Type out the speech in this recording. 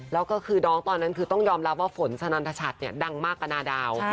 แล้วก็คือน้องตอนนั้นคือต้องยอมรับว่าฝนสนันทชัดเนี่ยดังมากกับนาดาว